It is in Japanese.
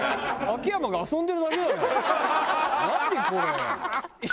秋山が遊んでるだけじゃない。